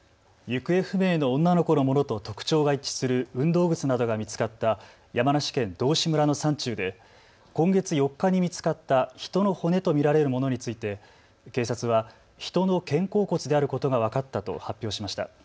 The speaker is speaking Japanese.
行方不明の女の子のものと特徴が一致する運動靴などが見つかった山梨県道志村の山中で今月４日に見つかった人の骨と見られるものについて警察は人の肩甲骨であることが分かったと発表しました。